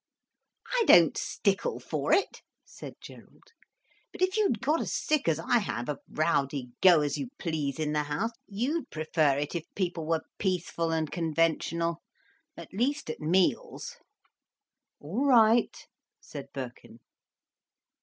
"I don't stickle for it," said Gerald. "But if you'd got as sick as I have of rowdy go as you please in the house, you'd prefer it if people were peaceful and conventional, at least at meals." "All right," said Birkin.